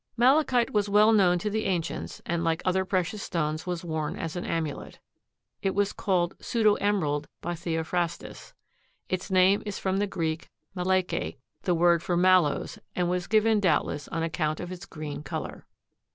Malachite was well known to the ancients and like other precious stones was worn as an amulet. It was called pseudo emerald by Theophrastus. Its name is from the Greek malake, the word for mallows and was given doubtless on account of its green color.